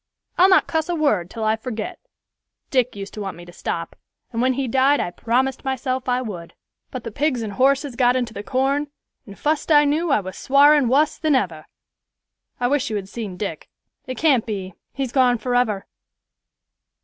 I'll not cuss a word till I forget. Dick used to want me to stop, and when he died I promised myself I would; but the pigs and horses got into the corn, and fust I knew I was swarin' wus than ever. I wish you had seen Dick; it can't be; he's gone forever."